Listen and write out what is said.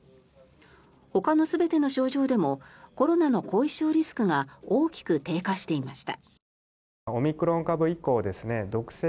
ほかの全ての症状でもコロナの後遺症リスクが大きく低下していました。